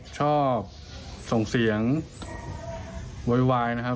ชอบส่งเสียงไวนะครับ